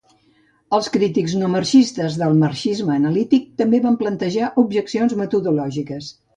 Els crítics no marxistes del marxisme analític també van plantejar objeccions metodològiques.